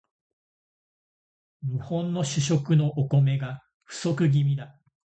日本の主食のお米が不足気味だ